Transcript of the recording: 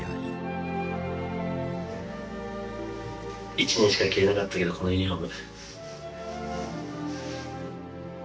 １年しか着れなかったけどこのユニフォーム。